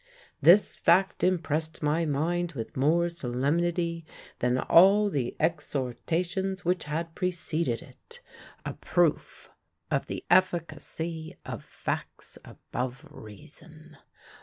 This fact impressed my mind with more solemnity than all the exhortations which had preceded it a proof of the efficacy of facts above reason.